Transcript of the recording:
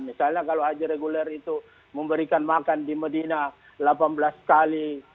misalnya kalau haji reguler itu memberikan makan di medina delapan belas kali